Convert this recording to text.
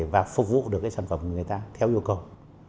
và phục vụ được cái sản phẩm của người ta theo yêu cầu